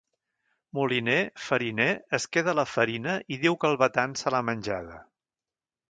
Moliner, fariner, es queda la farina i diu que el batan se l'ha menjada.